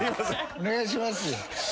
お願いします。